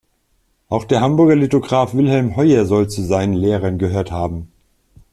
Auch der Hamburger Lithograph Wilhelm Heuer soll zu seinen Lehrern gehört haben.